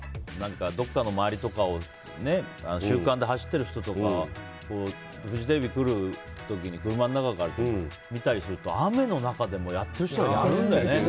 どっかの周りとかを習慣で走っている人とかフジテレビ来る時に車の中から見たりすると雨の中でもやってる人はやるんだよね。